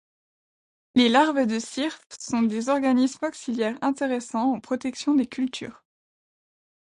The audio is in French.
Les larves de syrphe sont des organismes auxiliaires intéressants en protection des cultures.